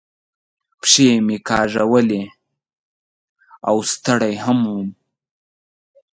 پښې مې کاږولې او ستړی هم ووم.